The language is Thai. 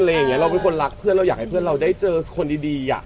เราเป็นคนรักเพื่อนเราอยากให้เพื่อนเราได้เจอคนดีอ่ะ